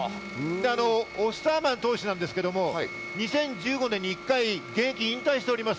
オスターマン投手ですけど、２０１５年に一回現役を引退しております。